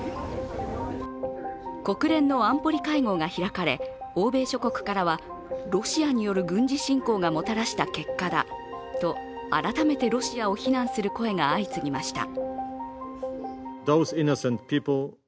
国連の安保理会合が開かれ、欧米諸国からはロシアによる軍事侵攻がもたらした結果だと、改めてロシアを非難する声が相次ぎました。